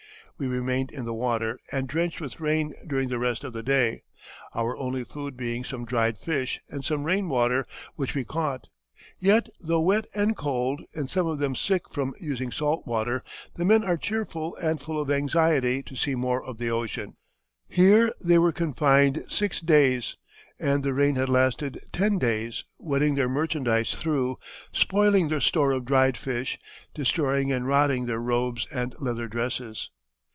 We remained in the water and drenched with rain during the rest of the day, our only food being some dried fish and some rain water which we caught. Yet, though wet and cold and some of them sick from using salt water, the men are cheerful and full of anxiety to see more of the ocean." Here they were confined six days, and the rain had lasted ten days, wetting their merchandise through, spoiling their store of dried fish, destroying and rotting their robes and leather dresses.